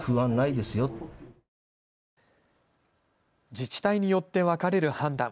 自治体によって分かれる判断。